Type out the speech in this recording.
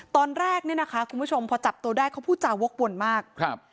ตอนแรกเนี่ยนะคะคุณผู้ชมพอจับตัวได้เขาพูดจาวกวนมากครับ